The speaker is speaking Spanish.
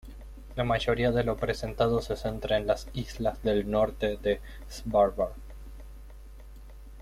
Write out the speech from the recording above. La mayoría de lo presentado se centra en las islas del norte de Svalbard.